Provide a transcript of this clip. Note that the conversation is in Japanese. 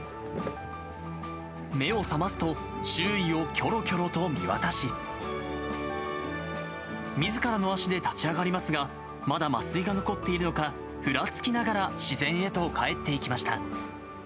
目を覚ますと、周囲をきょろきょろと見渡し、みずからの足で立ち上がりますが、まだ麻酔が残っているのか、ふらつきながら自然へと帰っていきました。